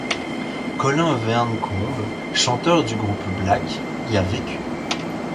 Colin Vearncombe, chanteur du groupe Black, y a vécu.